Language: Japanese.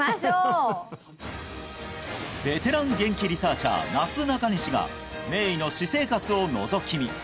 ベテランゲンキリサーチャーなすなかにしが名医の私生活をのぞき見！